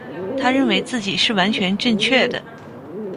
他认为自己是完全正确的。